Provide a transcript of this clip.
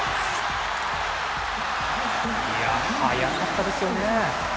速かったですよね。